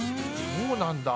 そうなんだ。